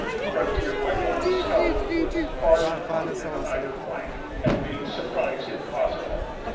Frontier riflemen scoured the woods far in front and on either flank, and made surprise impossible.